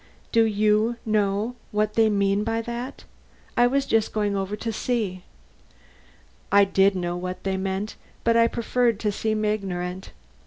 Do you know what they meant by that? I was just going over to see." I did know what they meant, but I preferred to seem ignorant.